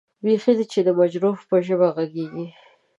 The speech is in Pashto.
بېخي دې د مجروح به ژبه غږېږې.